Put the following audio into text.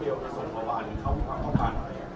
ทำไมเขาเฟ่ย์หนอส่งถ้าว่า